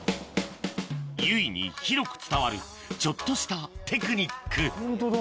由比に広く伝わるちょっとしたテクニックホントだ。